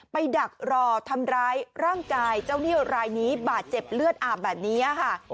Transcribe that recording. ดักรอทำร้ายร่างกายเจ้าหนี้รายนี้บาดเจ็บเลือดอาบแบบนี้ค่ะ